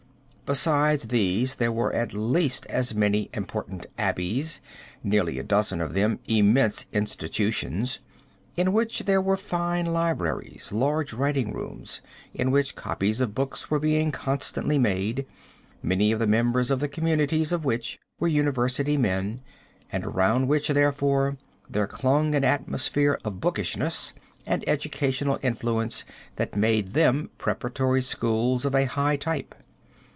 Besides these there were at least as many important abbeys, nearly a dozen of them immense institutions, in which there were fine libraries, large writing rooms, in which copies of books were being constantly made, many of the members of the communities of which were university men, and around which, therefore, there clung an atmosphere of bookishness and educational influence that made them preparatory schools of a high type.